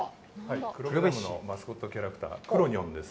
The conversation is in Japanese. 黒部ダムのマスコットキャラクターくろにょんです。